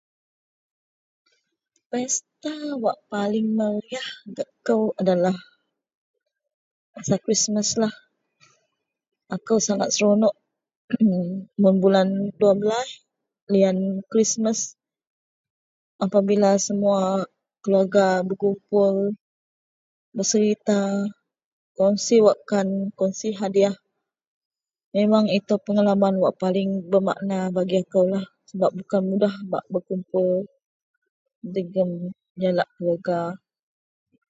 Pesta wak paling meriyah gak kou adalah masa Krismaslah. Akou sangat seronok mun bulan duabelaih liyan Krismas apabila semua keluarga berkumpul, beserita, kongsi wakkan, kongsi hadiyah. Memang itou pengalaman wak paling bermakna bagi akoulah sebab bukan mudah bak begumpul jegem jalak keluarga